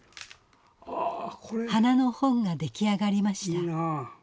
花の本が出来上がりました。